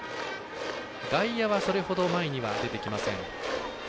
外野はそれほど前には出てきません。